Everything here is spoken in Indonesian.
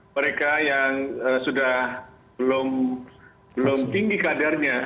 mereka yang sudah belum tinggi kadarnya